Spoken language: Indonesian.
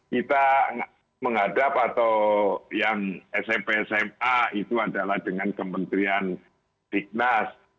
kita menghadap atau yang smp sma itu adalah dengan kementerian dignas